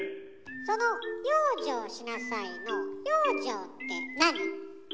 その「養生しなさい」の「養生」って何？